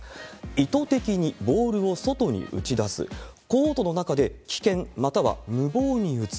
意図的にボールを外に打ち出す、コートの中で危険、また無謀に打つ。